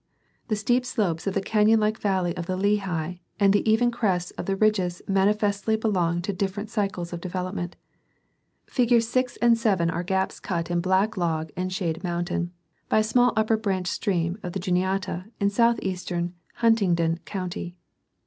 The steep slopes of the canon like valley of the Lehigh and the even crests of the ridges mani festly belong to difEerent cycles of development. Figs. 6 and 7 are gaps cut in Black Log and Shade mountain, by a small upper branch stream of the Juniata in southeastern Huntingdon county.